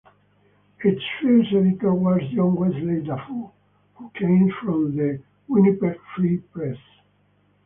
Its first editor was John Wesley Dafoe who came from the "Winnipeg Free Press".